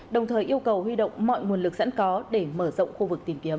đồng thời yêu cầu huy động mọi nguồn lực sẵn có để mở rộng khu vực tìm kiếm